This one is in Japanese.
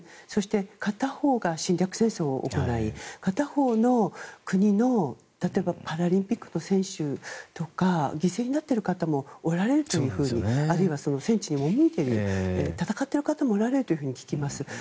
そして、片方が侵略戦争を行い片方の国の、例えばパラリンピックの選手とか犠牲になっている方もおられるというふうにあるいは戦地に赴いている戦っている方もおられると聞きます。